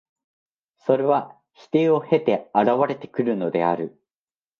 それは否定を経て現れてくるのである。